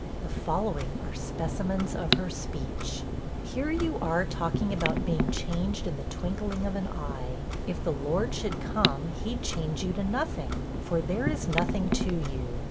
The following are specimens of her speech: 'Here you are talking about being "changed in the twinkling of an eye." If the Lord should come, he'd change you to nothing! for there is nothing to you.